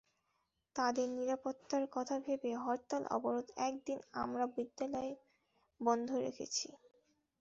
তাদের নিরাপত্তার কথা ভেবে হরতাল অবরোধে এতদিন আমরা বিদ্যালয় বন্ধ রেখেছি।